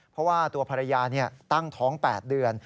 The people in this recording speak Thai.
เพราะว่าตัวภรรยาตั้งท้อง๘เดือน